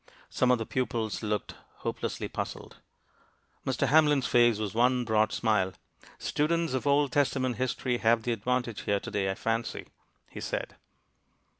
Some of the pupils looked hopelessly puzzled. Mr. Hamlin's face was one broad smile. "Students of Old Testament history have the advantage here today, I fancy," he said.